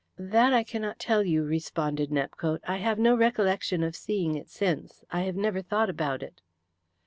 "That I cannot tell you," responded Nepcote. "I have no recollection of seeing it since. I have never thought about it."